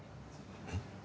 えっ？